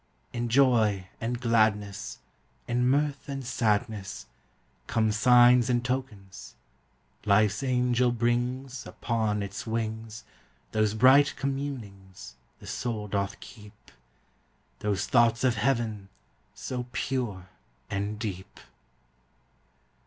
In joy and gladness, In mirth and sadness, Come signs and tokens; Life's angel brings, Upon its wings, Those bright communings The soul doth keep Those thoughts of heaven So pure and deep!